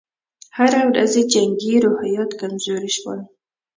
هره ورځ یې جنګي روحیات کمزوري شول.